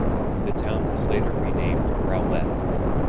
The town was later renamed "Rowlett".